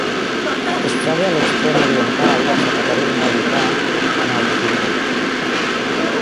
Es troba a l'extrem oriental del ferrocarril maurità a Nouadhibou.